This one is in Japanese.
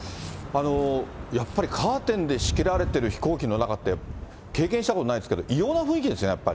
やっぱりカーテンで仕切られている飛行機の中って、経験したことないですけど、異様な雰囲気ですね、やっぱり。